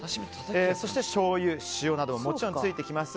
そして、しょうゆ、塩などがもちろんついてきます。